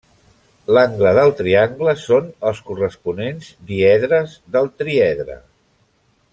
L'angle del triangle són els corresponents diedres del triedre.